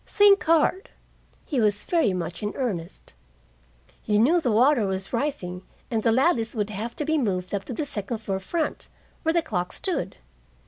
"Think hard." He was very much in earnest. "You knew the water was rising and the Ladleys would have to be moved up to the second floor front, where the clock stood.